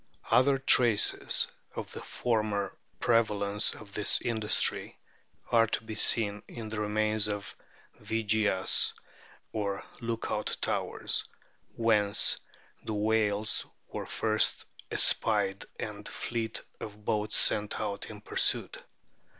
Other traces of the former prevalence of this industry are to be seen in the remains of " vigias," or look out towers, whence the whales were first espied and the fleet of boats sent out in pursuit.